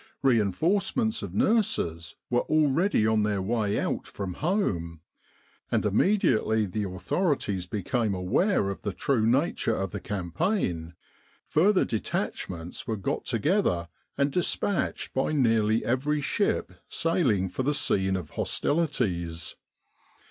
Rein forcements of' nurses were already on their way out from home, and immediately the authorities became aware of the true nature of the campaign, further de tachments were got together and dispatched by nearly every ship sailing for the scene of hostilities.